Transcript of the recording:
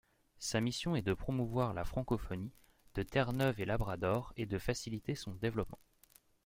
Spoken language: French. Sa mission est de promouvoir la francophonie de Terre-Neuve-et-Labrador et de faciliter son développement.